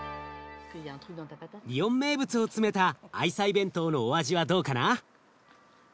リヨン名物を詰めた愛妻弁当のお味はどうかな？